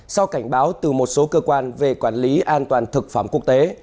sau cảnh báo từ một số cơ quan về quản lý an toàn thực phẩm quốc tế